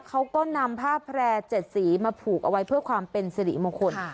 เขาก็นำผ้าแพร่๗สีมาผูกเอาไว้เพื่อความเป็นสิริมงคล